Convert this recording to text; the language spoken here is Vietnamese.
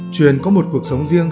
truyền có một cuộc sống riêng